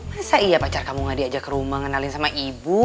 masa iya pacar kamu gak diajak ke rumah kenalin sama ibu